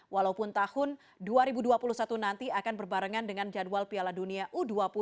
walaupun tahun dua ribu dua puluh satu nanti akan berbarengan dengan jadwal piala dunia u dua puluh